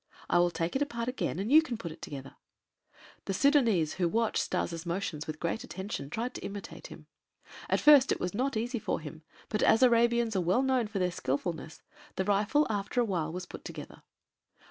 I will take it apart again and you can put it together." The Sudânese, who watched Stas' motions with great attention, tried to imitate him. At first it was not easy for him, but as Arabians are well known for their skilfulness, the rifle, after a while, was put together.